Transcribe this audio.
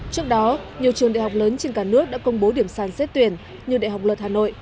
trước đó nhiều trường đại học lớn trên cả nước đã công bố điểm sàn xét tuyển như đại học luật hà nội